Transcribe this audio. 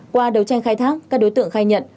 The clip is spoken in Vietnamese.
qua đấu tranh khai thác các đối tượng khai nhận